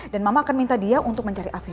dan mama akan minta dia untuk mencari afif